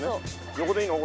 横でいいの？